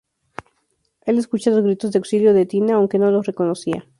El escucha los gritos de auxilio de Tina, aunque no los reconocía.